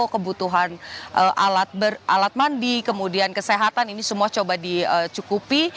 kebutuhan alat mandi kemudian kesehatan ini semua coba dicukupi